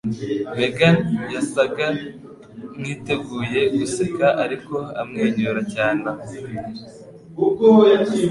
Megan yasaga nkiteguye guseka ariko amwenyura cyane aho.